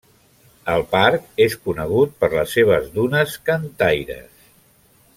El parc és conegut per les seves dunes cantaires.